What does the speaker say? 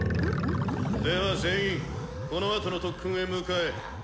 では全員このあとの特訓へ向かえ。